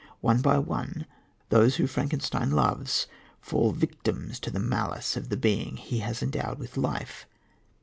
One by one those whom Frankenstein loves fall victims to the malice of the being he has endowed with life.